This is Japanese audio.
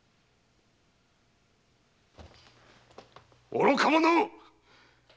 愚か者っ！